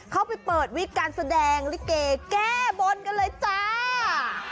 ไปเปิดวิกการแสดงลิเกแก้บนกันเลยจ้า